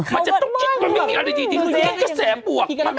มันจะต้องคิดว่ามันไม่มีอะไรดีมันไม่มีกระแสปวก